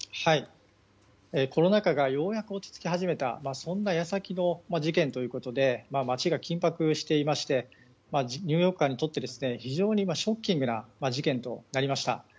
コロナ禍がようやく落ち着き始めたそんな矢先の事件ということで街が緊迫していましてニューヨーカーにとって非常にショッキングな事件となりました。